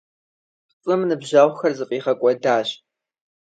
ПцӀым ныбжьэгъухэр зэфӀигъэкӀуэдащ.